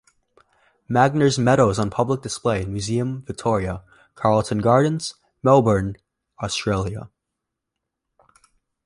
Magner's medal is on public display in Museum Victoria, Carlton Gardens, Melbourne, Australia.